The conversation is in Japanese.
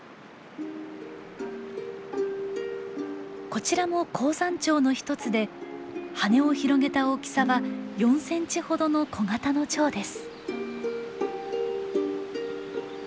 こちらも高山蝶の一つで羽を広げた大きさは４センチほどの小型のチョウです。